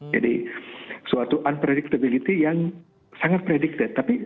jadi suatu unpredictability yang sangat predicted